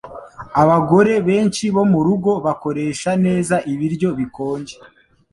Abagore benshi bo murugo bakoresha neza ibiryo bikonje.